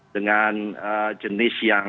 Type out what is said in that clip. dengan jenis yang